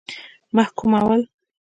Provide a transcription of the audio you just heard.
محکومول.